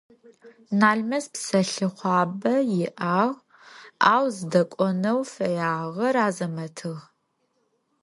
Налмэс псэлъыхъуабэ иӏагъ, ау зыдэкӏонэу фэягъэр Азэмэтыгъ.